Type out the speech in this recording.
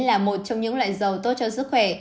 là một trong những loại dầu tốt cho sức khỏe